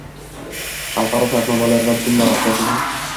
xalqaro shartnomalari va bitimlari asosida